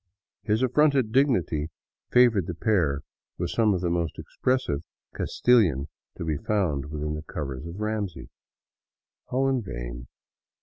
His affronted dignity favored the pair with some of the most expressive Castilian to be found within the covers of Ramsey. All in vain.